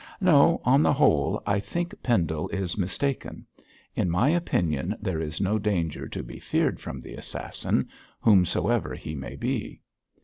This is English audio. No; on the whole, I think Pendle is mistaken; in my opinion there is no danger to be feared from the assassin, whomsoever he may be.'